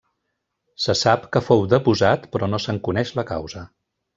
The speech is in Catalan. Se sap que fou deposat però no se'n coneix la causa.